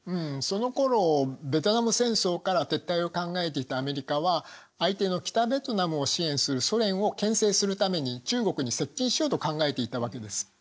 そのころベトナム戦争から撤退を考えていたアメリカは相手の北ベトナムを支援するソ連を牽制するために中国に接近しようと考えていたわけです。